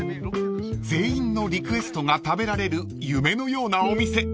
［全員のリクエストが食べられる夢のようなお店］